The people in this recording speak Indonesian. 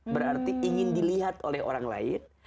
berarti ingin dilihat oleh orang lain